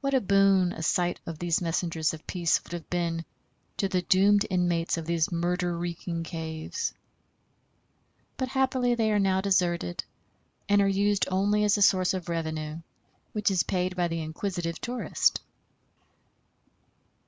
What a boon a sight of these messengers of peace would have been to the doomed inmates of these murder reeking caves. But happily they are now deserted, and are used only as a source of revenue, which is paid by the inquisitive tourist.